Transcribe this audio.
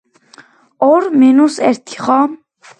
ორ მინუს ერთი, ხო?